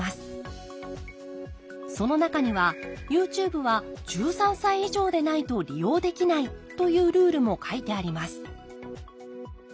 その中にはＹｏｕＴｕｂｅは１３歳以上でないと利用できないというルールも書いてあります